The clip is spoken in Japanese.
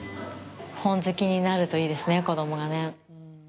本好きになるといいですね、子供がね。